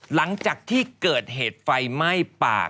หลังจากที่เกิดเหตุไฟไหม้ปาก